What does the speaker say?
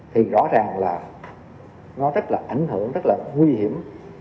thì rõ ràng là nó rất là ảnh hưởng rất là nguy hiểm